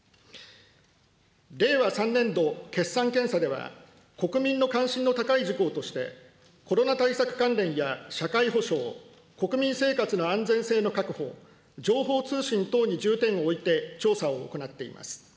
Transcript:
令和３年度決算検査では、国民の関心の高い事項として、コロナ対策関連や社会保障、国民生活の安全性の確保、情報通信等に重点を置いて調査を行っています。